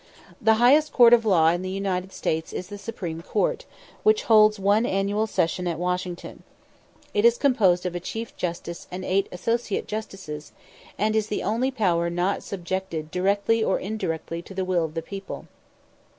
The highest court of law in the United States is the Supreme Court, which holds one annual session at Washington. It is composed of a chief justice and eight associate justices, and is the only power not subjected directly or indirectly to the will of the people.